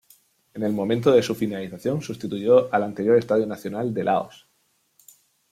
En el momento de su finalización, sustituyó al anterior Estadio Nacional de Laos.